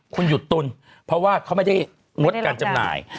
คุณหยุดตุนเพราะว่าเขาไม่ได้งดการจำหน่าย